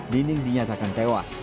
nining dinyatakan tewas